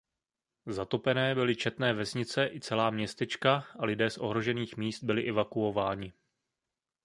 Zatopené byly četné vesnice i celá městečka a lidé z ohrožených míst byli evakuováni.